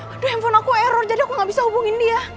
aduh handphone aku error jadi aku gak bisa hubungin dia